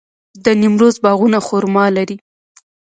د نیمروز باغونه خرما لري.